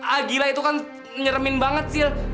ah gila itu kan nyeremin banget sil